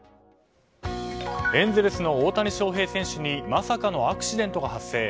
エンゼルスの大谷翔平選手にまさかのアクシデントが発生。